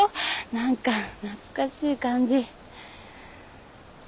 何か懐かしい感じ。